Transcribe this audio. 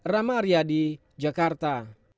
rama aryadi jakarta